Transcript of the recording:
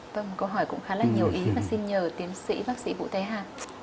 vâng câu hỏi cũng khá là nhiều ý và xin nhờ tiến sĩ bác sĩ bụ tây hà